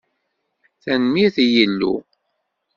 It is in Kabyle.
Tanemmirt i Yillu.